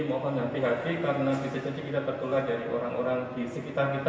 mohon nanti hati karena bisa jadi kita tertular dari orang orang di sekitar kita